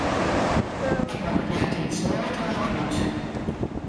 Ik mocht eartiids noait allinne út.